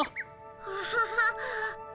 アハハッ。